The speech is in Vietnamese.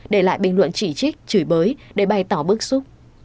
để lại bình luận chỉ trích chửi bới để bày tỏ bức xúc